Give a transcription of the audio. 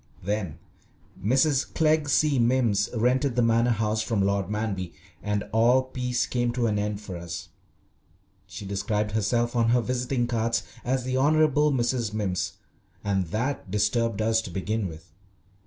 Then Mrs. Clegg C. Mimms rented the Manor House from Lord Manby, and all peace came to an end for us. She described herself on her visiting cards as "the Honourable Mrs. Mimms," and that disturbed us to begin with.